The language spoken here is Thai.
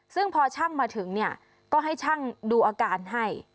ซึ่งพอช่างมาถึงเนี่ยก็ให้ช่างดูอาการให้